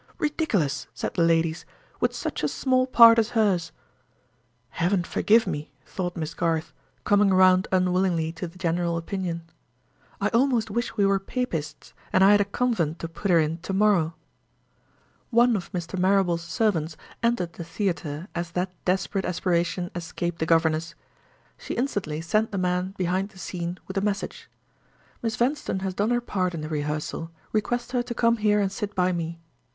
"Ridiculous!" said the ladies, "with such a small part as hers." "Heaven forgive me!" thought Miss. Garth, coming round unwillingly to the general opinion. "I almost wish we were Papists, and I had a convent to put her in to morrow." One of Mr. Marrable's servants entered the theater as that desperate aspiration escaped the governess. She instantly sent the man behind the scene with a message: "Miss Vanstone has done her part in the rehearsal; request her to come here and sit by me."